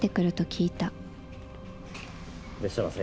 いらっしゃいませ。